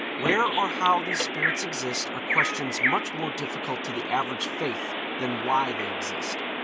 Where or how these spirits exist are questions much more difficult to the average faith than why they exist.